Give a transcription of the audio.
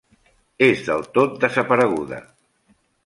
És del tot desapareguda.